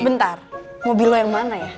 bentar mobil lo yang mana ya